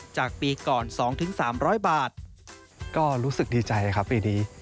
จากปีก่อนสองถึงสามร้อยบาทก็รู้สึกดีใจครับปีนี้